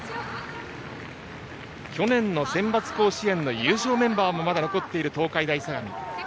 去年のセンバツ甲子園の優勝メンバーもまだ残っている東海大相模。